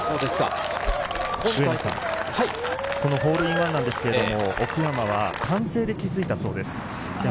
ホールインワンなんですけれど、奥山は歓声で気づいたそうです。